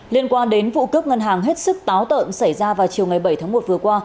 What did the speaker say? liên quan đến vụ cướp ngân hàng hết sức táo tợn xảy ra vào chiều ngày bảy tháng một vừa qua